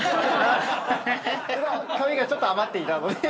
紙がちょっと余っていたので。